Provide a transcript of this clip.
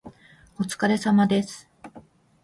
お疲れ様です